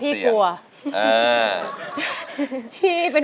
พี่เป็นห่วงหนู